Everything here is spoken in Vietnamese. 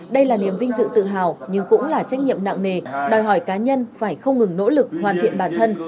đây là niềm vinh dự tự hào nhưng cũng là trách nhiệm nặng nề đòi hỏi cá nhân phải không ngừng nỗ lực hoàn thiện bản thân